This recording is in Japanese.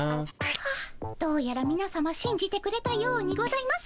ホッどうやらみなさましんじてくれたようにございます。